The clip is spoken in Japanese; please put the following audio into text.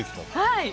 はい！